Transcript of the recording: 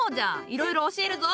いろいろ教えるぞ。